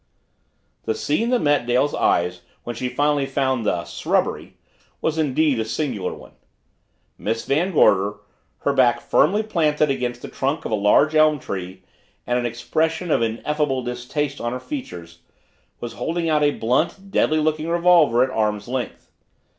The scene that met Dale's eyes when she finally found the "srubbery" was indeed a singular one. Miss Van Gorder, her back firmly planted against the trunk of a large elm tree and an expression of ineffable distaste on her features, was holding out a blunt, deadly looking revolver at arm's length.